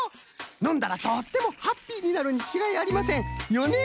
のんだらとってもハッピーになるにちがいありません！よね？